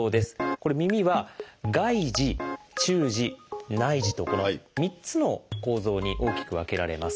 これ耳は「外耳」「中耳」「内耳」とこの３つの構造に大きく分けられます。